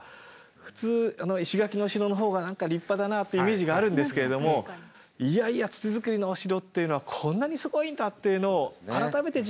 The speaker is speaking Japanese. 普通石垣のお城の方が何か立派だなというイメージがあるんですけれどもいやいや土づくりのお城というのはこんなにすごいんだというのを改めて実感できるっていう。